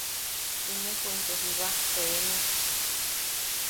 –inepo into jiba “seenu”.